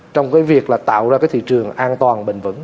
trong việc tạo ra thị trường an toàn bền vững